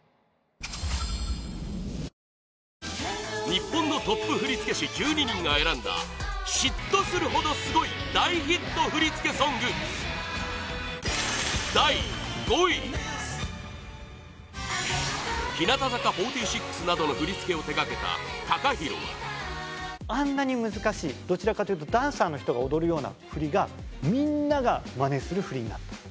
日本のトップ振付師１２人が選んだ嫉妬するほど凄い大ヒット振付ソング第５位日向坂４６などの振り付けを手掛けたＴＡＫＡＨＩＲＯはＴＡＫＡＨＩＲＯ：あんなに難しい、どちらかというとダンサーの人が踊るような振りがみんながまねする振りになった。